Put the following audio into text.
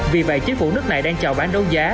vì vậy chính phủ nước này đang chào bán đấu giá